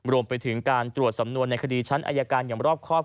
รวมไปถึงการตรวจสำนวนในคดีชั้นอายการอย่างรอบครอบ